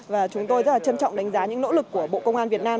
và chúng tôi rất là trân trọng đánh giá những nỗ lực của bộ công an việt nam